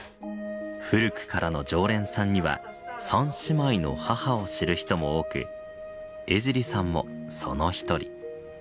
古くからの常連さんには三姉妹の母を知る人も多く江尻さんもその一人。